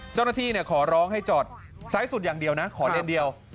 เจ้าหน้าที่ขอร้องให้จอดซ้ายสุดอย่างเดียวนะขอเลนเดียว